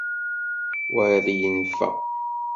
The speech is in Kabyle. Wayeḍ yenfa.